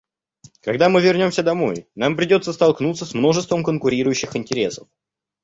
Когда мы вернемся домой, нам придется столкнуться с множеством конкурирующих интересов.